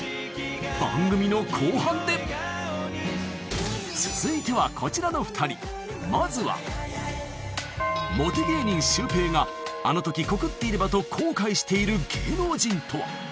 番組の後半で続いてはこちらの２人まずはモテ芸人シュウペイがあの時告っていればと後悔している芸能人とは？